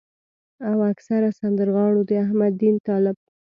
او اکثره سندرغاړو د احمد دين طالب